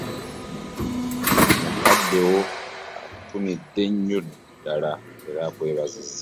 Mukaddewo akutumidde nnyo ddala era akwebazizza